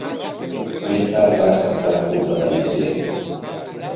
Més tard va acceptar la culpa de l'incident.